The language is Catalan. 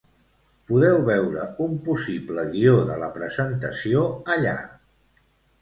Podeu veure un possible guió de la presentació allà.